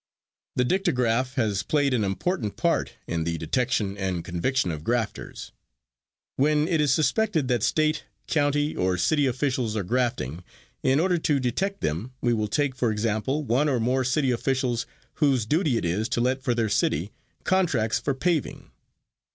The dictagraph has played an important part in the detection and conviction of grafters. When it is suspected that state, county or city officials are grafting, in order to detect them, we will take for example one or more city officials whose duty it is to let for their city, contracts for paving.